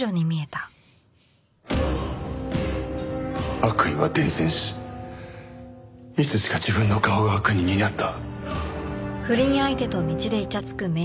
悪意は伝染しいつしか自分の顔が悪人になった。